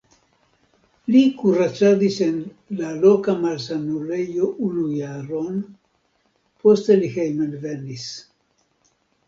Li kuracadis en la loka malsanulejo unu jaron, poste li hejmenvenis.